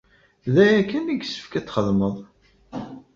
D aya kan i yessefk ad t-txedmeḍ!